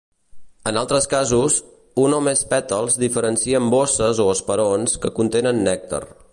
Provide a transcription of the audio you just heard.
En altres casos, un o més pètals diferencien bosses o esperons que contenen nèctar.